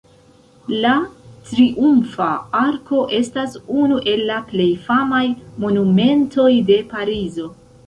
La Triumfa Arko estas unu el la plej famaj monumentoj de Parizo.